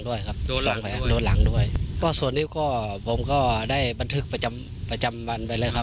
ติดต่อไปแล้วทั้งตัวคนเจ็บครอบครัวยังไม่สะดวกให้ข้อมูลครับ